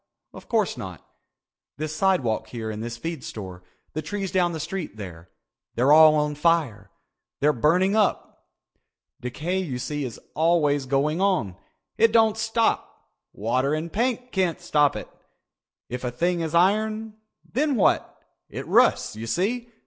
Of course not. This sidewalk here and this feed store, the trees down the street there—they're all on fire. They're burning up. Decay you see is always going on. It doesn't stop. Water and paint can't stop it. If a thing is iron, then what? It rusts, you see.